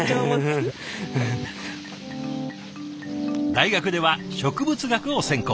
大学では植物学を専攻。